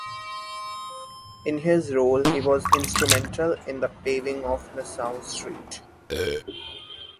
In his role he was instrumental in the paving of Nassau Street.